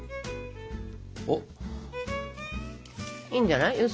いいんじゃない？